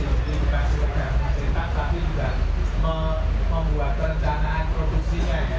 identifikasi perjalanan cerita tapi juga membuat perencanaan produksinya ya